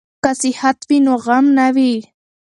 که صحت وي نو غم نه وي.